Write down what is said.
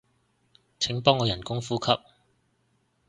請幫我人工呼吸